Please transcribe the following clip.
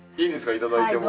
いただいても。